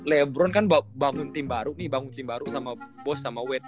lebron kan bangun tim baru nih bangun tim baru sama bos sama wt